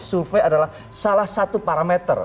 survei adalah salah satu parameter